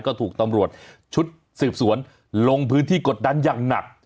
ก็ถูกตำรวจชุดสืบสวนลงพื้นที่กดดันอย่างหนัก